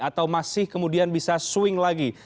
atau masih kemudian bisa swing lagi